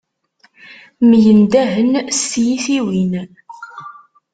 Myendahen s tyitiwin.